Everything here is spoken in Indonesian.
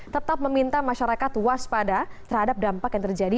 tetap meminta masyarakat waspada terhadap dampak yang terjadi